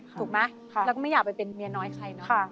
ถูกไหมแล้วก็ไม่อยากไปเป็นเมียน้อยใครเนอะ